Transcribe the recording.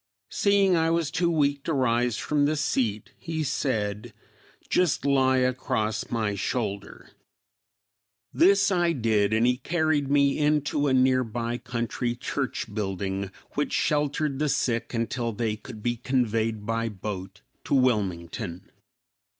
Seeing I was too weak to rise from the seat, he said, "Just lie across my shoulder." This I did and he carried me into a near by country church building which sheltered the sick until they could be conveyed by boat to Wilmington.